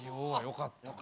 よかった。